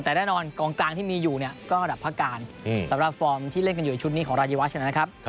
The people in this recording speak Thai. แต่แน่นอนกองกลางที่มีอยู่เนี่ยก็ระดับพระการสำหรับฟอร์มที่เล่นกันอยู่ในชุดนี้ของรายวัชนะครับ